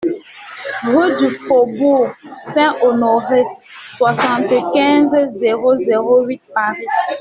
Rue du Faubourg Saint-Honoré, soixante-quinze, zéro zéro huit Paris